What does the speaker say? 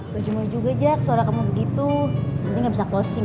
maju maju juga jack suara kamu begitu nanti gabisa closing